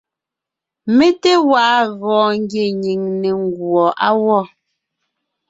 Mé té gwaa gɔɔn ngie nyìŋ ne nguɔ á gwɔ.